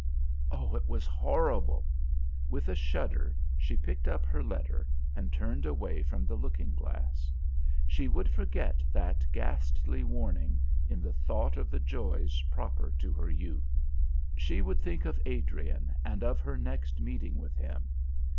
Oh! it was horrible! With a shudder, she picked up her letter and turned away from the looking glass. She would forget that ghastly warning in the thought of the joys proper to her youth. She would think of Adrian and of her next meeting with him.